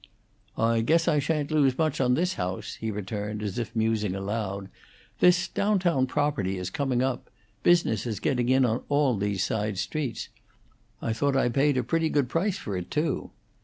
"I guess I sha'n't lose much on this house," he returned, as if musing aloud. "This down town property is coming up. Business is getting in on all these side streets. I thought I paid a pretty good price for it, too."